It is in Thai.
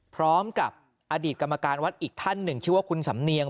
พร้อมกับอดีตกรรมการวัดอีกท่านหนึ่งชื่อว่าคุณสำเนียง